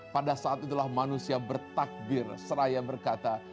pada saat itulah manusia bertakbir seraya berkata